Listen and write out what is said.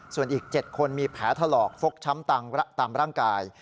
ส่วนอีก๗คนมีแผลถลอกฟกช้ำตามร่างกาย